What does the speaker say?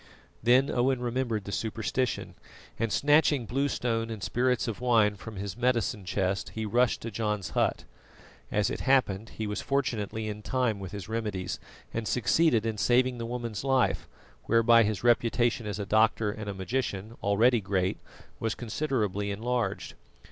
Then Owen remembered the superstition, and snatching blue stone and spirits of wine from his medicine chest, he rushed to John's hut. As it happened, he was fortunately in time with his remedies and succeeded in saving the woman's life, whereby his reputation as a doctor and a magician, already great, was considerably enlarged.